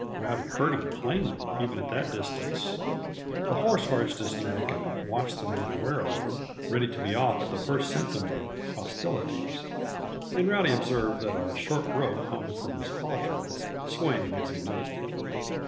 Rowdy heard him plainly, even at that distance. The horse arched his neck and watched the man warily, ready to be off at the first symptom of hostilities and Rowdy observed that a short rope hung from his halter, swaying as he moved.